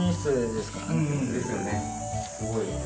すごいわ。